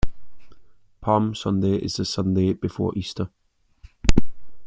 Palm Sunday is the Sunday before Easter.